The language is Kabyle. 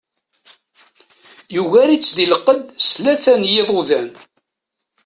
Yugar-itt di lqedd s tlata n yiḍudan.